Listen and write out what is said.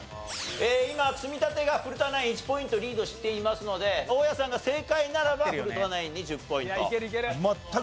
今積み立てが古田ナイン１ポイントリードしていますので大家さんが正解ならば古田ナインに１０ポイント。